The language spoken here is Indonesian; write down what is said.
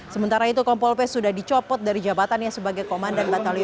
sementara ini kompol p merupakan pimpinannya di kota pekanbaru